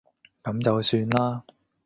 噉就算啦